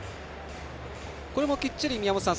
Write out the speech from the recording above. これもきっちり宮本さん